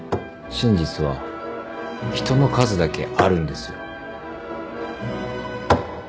真実は人の数だけあるんですよ。